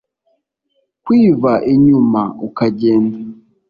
kwiva inyuma ukagenda